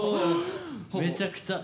めちゃくちゃ。